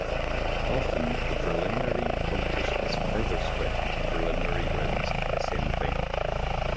Often, the preliminary competition is further split into preliminary rounds and a semi-final.